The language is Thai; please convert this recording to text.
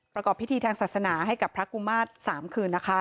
ประกอบพิธีทางศาสนาให้กับพระกุมาตร๓คืนนะคะ